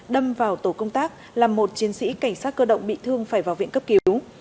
đâm vào tổ công tác làm một chiến sĩ cảnh sát cơ động bị thương phải vào viện cấp cứu